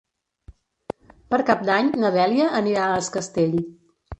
Per Cap d'Any na Dèlia anirà a Es Castell.